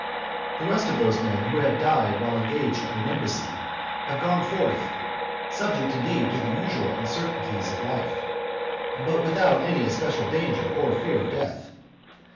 The rest of those men who have died while engaged on an embassy, have gone forth, subject indeed to the usual uncertainties of life, but without any especial danger or fear of death.